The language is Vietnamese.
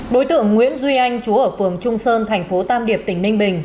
đối tượng nguyễn duy anh chú ở phường trung sơn thành phố tam điệp tỉnh ninh bình